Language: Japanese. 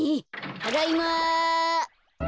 ただいま。